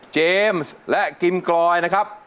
และกิมกรอยนะครับ